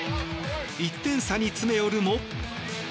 １点差に詰め寄るも。